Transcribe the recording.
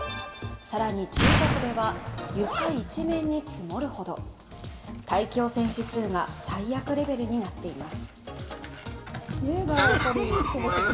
更に中国では、床一面に積もるほど大気汚染指数が最悪レベルになっています。